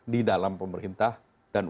di dalam pemerintah dan